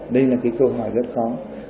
đây là cái câu hỏi rất khó